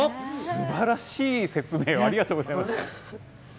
すばらしい説明をありがとうございます。